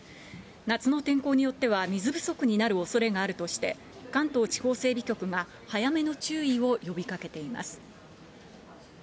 夏の天候によっては水不足になるおそれがあるとして、関東地方整備局が早めの注意を呼びかけています。